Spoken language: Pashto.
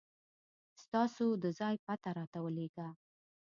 ستاسو د ځای پته راته ولېږه